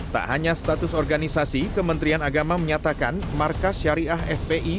tak hanya status organisasi kementerian agama menyatakan markas syariah fpi